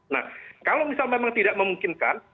nah kalau misal memang tidak memungkinkan